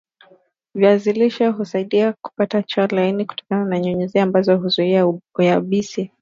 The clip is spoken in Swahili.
viazi lishe husaidia kupata choo laini kutokana na nyuzinyuzi ambazo huzuia uyabisi